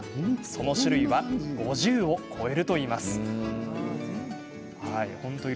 その種類は５０を超えるといいます。